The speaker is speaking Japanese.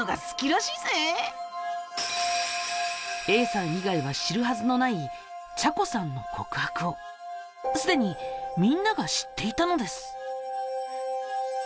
Ａさん以外は知るはずのない「ちゃこさんの告白」をすでにみんなが知っていたのです。